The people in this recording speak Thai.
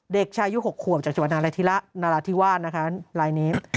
เด็กชายุ๖ขวบจากจังหวัดนราธิวาสนะคะลายนี้